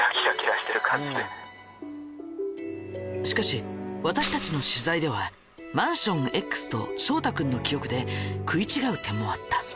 しかし私たちの取材ではマンションＸと翔太君の記憶で食い違う点もあった。